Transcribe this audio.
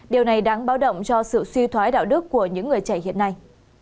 điều này đáng báo động cho sự suy thoái đạo đức của những người trẻ hiện nay